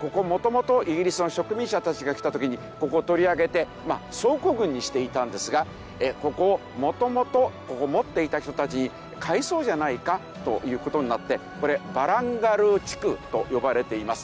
ここ元々イギリスの植民者たちが来た時にここを取り上げて倉庫群にしていたんですがここを元々ここを持っていた人たちに返そうじゃないかという事になってこれバランガルー地区と呼ばれています。